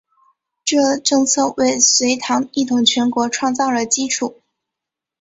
这政策为隋唐一统全国创造了基础。